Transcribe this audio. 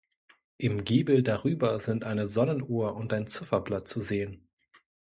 Im Giebel darüber sind eine Sonnenuhr und ein Zifferblatt zu sehen.